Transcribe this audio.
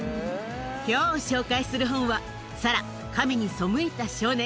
きょう紹介する本は、サラ、神に背いた少年。